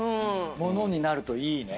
物になるといいね。